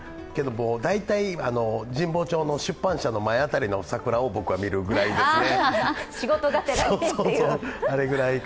大体、神保町の出版社の前辺りの桜を僕は見るぐらいですね。